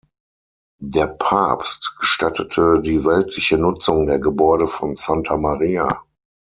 Der Papst gestattete die weltliche Nutzung der Gebäude von Santa Maria.